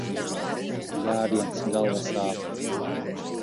Bļāviens, galva sāp.